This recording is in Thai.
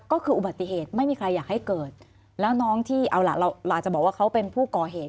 ก็คืออุบัติเหตุไม่มีใครอยากให้เกิดแล้วน้องที่เอาล่ะเราอาจจะบอกว่าเขาเป็นผู้ก่อเหตุ